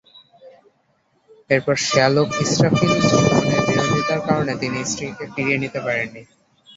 এরপর শ্যালক ইসরাফিল সুমনের বিরোধিতার কারণে তিনি স্ত্রীকে ফিরিয়ে নিতে পারেননি।